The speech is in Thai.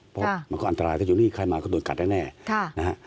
เพราะมันก็อันตรายก็อยู่นี่ใครมาก็โดนกัดแน่นะฮะ